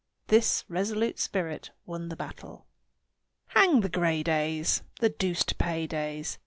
This resolute spirit won the battle. Hang the gray days! The deuce to pay days!